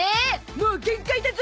もう限界だゾ！